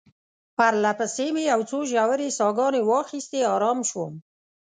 پرله پسې مې یو څو ژورې ساه ګانې واخیستې، آرام شوم.